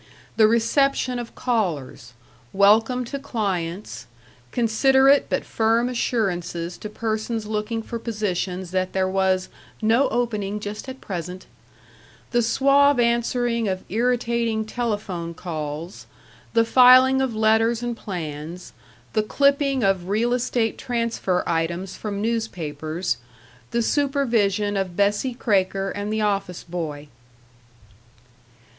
The reception of callers; welcome to clients; considerate but firm assurances to persons looking for positions that there was "no opening just at present " The suave answering of irritating telephone calls.... The filing of letters and plans; the clipping of real estate transfer items from newspapers.... The supervision of Bessie Kraker and the office boy.